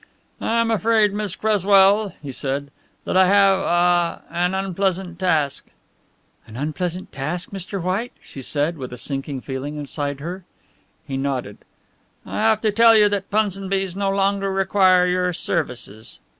"I am afraid, Miss Cresswell," he said, "that I have ah an unpleasant task." "An unpleasant task, Mr. White?" she said, with a sinking feeling inside her. He nodded. "I have to tell you that Punsonby's no longer require your services."